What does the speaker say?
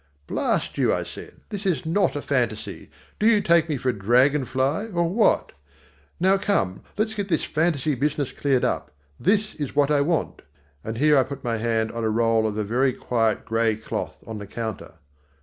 "Blast you," I said, "this is not a fantaisie. Do you take me for a dragon fly, or what? Now come, let's get this fantaisie business cleared up. This is what I want" and here I put my hand on a roll of very quiet grey cloth on the counter.